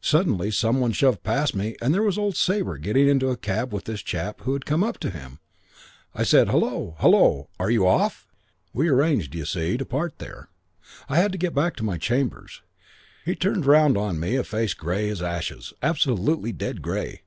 Suddenly some one shoved past me and there was old Sabre getting into the cab with this chap who had come up to him. I said, 'Hullo! Hullo, are you off?' "We'd arranged, d'you see, to part there. I had to get back to my chambers. He turned round on me a face grey as ashes, absolutely dead grey.